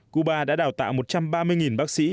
cuba đã đào tạo một trăm ba mươi bác sĩ